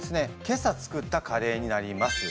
今朝作ったカレーになります。